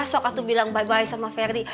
sok atu bilang bye bye sama ferdi